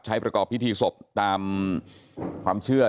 ประกอบพิธีศพตามความเชื่อ